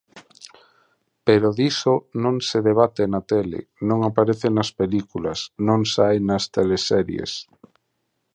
Pero diso non se debate na tele, non aparece nas películas, non sae nas teleseries.